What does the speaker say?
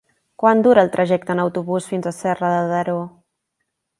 Quant dura el trajecte en autobús fins a Serra de Daró?